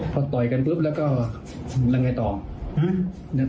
พอต่อยกันปุ๊บแล้วก็แล้วไงต่อ